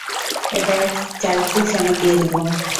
একটা চারিত্রিক সনদ দিয়ে দিব।